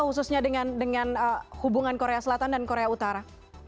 khususnya dengan hubungan korea selatan dan korea utara